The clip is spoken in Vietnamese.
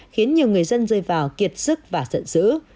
khiến nhiều người dân rơi vào kiệt sức và giận dữ